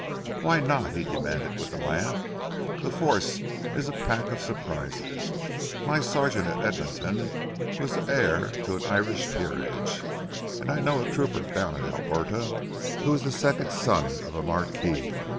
"Why not?" he demanded, with a laugh. "The Force is a packet of surprises. My sergeant at Edmonton was the heir to an Irish peerage, and I know a trooper down at Alberta who is the second son of a marquis."